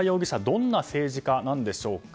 どんな政治家なんでしょうか。